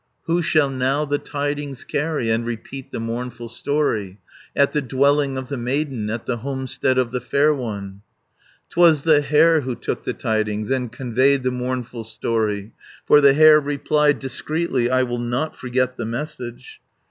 Who shall now the tidings carry, And repeat the mournful story, At the dwelling of the maiden, At the homestead of the fair one? 400 'Twas the hare who took the tidings, And conveyed the mournful story; For the hare replied discreetly, "I will not forget the message."